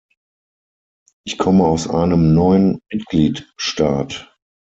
Ich komme aus einem neuen Mitgliedstaat.